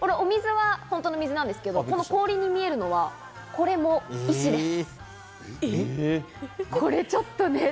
本当の水なんですけれども、氷に見えるのが、これも石です。